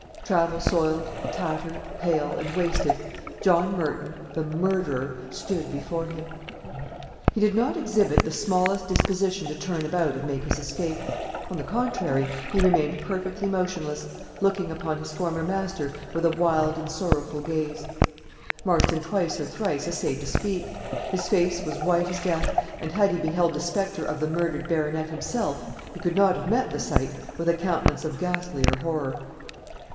Travel soiled, tattered, pale, and wasted, John Merton, the murderer, stood before him. He did not exhibit the smallest disposition to turn about and make his escape. On the contrary, he remained perfectly motionless, looking upon his former master with a wild and sorrowful gaze. Marston twice or thrice essayed to speak; his face was white as death, and had he beheld the specter of the murdered baronet himself, he could not have met the sight with a countenance of ghastlier horror.